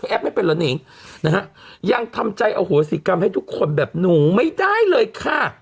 แป๊บไม่เป็นเหรอนิงนะฮะยังทำใจอโหสิกรรมให้ทุกคนแบบหนูไม่ได้เลยค่ะ